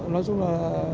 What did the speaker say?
nói chung là